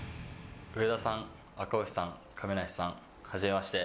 上田さん、赤星さん、亀梨さん、はじめまして。